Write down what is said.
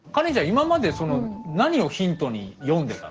今まで何をヒントに読んでたの？